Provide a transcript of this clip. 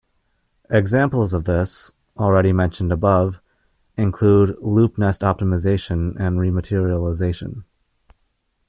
Examples of this, already mentioned above, include loop nest optimization and rematerialization.